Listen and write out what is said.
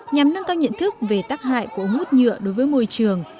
nhằm nâng cao nhận thức về tác hại của ống hút nhựa đối với môi trường